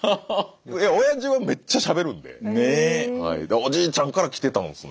おじいちゃんから来てたんすね。